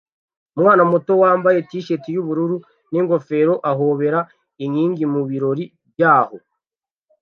Umwana muto wambaye t-shati yubururu ningofero ahobera inkingi mubirori byaho